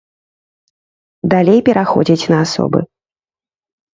Далей пераходзяць на асобы.